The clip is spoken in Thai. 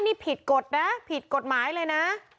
นี่ผิดกฎนะผิดกฎหมายเลยนะ